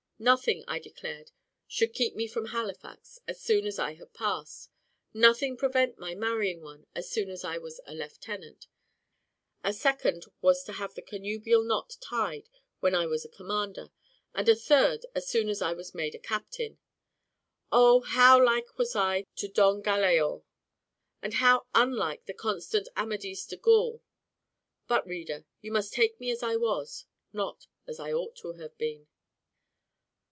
Nothing, I declared, should keep me from Halifax, as soon as I had passed; nothing prevent my marrying one, as soon as I was a lieutenant; a second was to have the connubial knot tied when I was a commander; and a third, as soon as I was made a captain. Oh, how like was I to Don Galaor! Oh, how unlike the constant Amadis de Gaul! But, reader, you must take me as I was, not as I ought to have been.